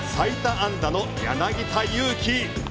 安打の柳田悠岐。